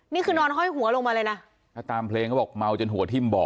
นี่คือนอนห้อยหัวลงมาเลยนะถ้าตามเพลงเขาบอกเมาจนหัวทิ่มเบาะ